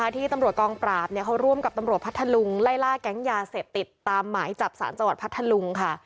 ที่ตำรวจกองปราบเขาร่วมกับตำรวจพัทธลุงไล่ล่าแก๊งยาเสพติดตามหมายจับสารจังหวัดพัทธลุงค่ะ